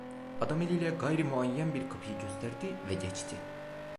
Adam eliyle gayri muayyen bir kapıyı gösterdi ve geçti.